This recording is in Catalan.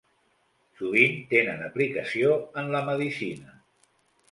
Sovint tenen aplicació en la medicina.